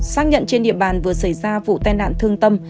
xác nhận trên địa bàn vừa xảy ra vụ tai nạn thương tâm